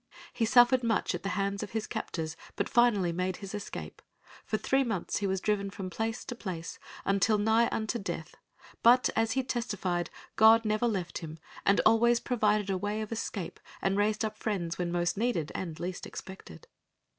He suffered much at the hands of his captors, but finally made his escape. For three months he was driven from place to place, until nigh unto death, but as he testified God never left him, and always provided a way of escape and raised up friends when most needed and least expected.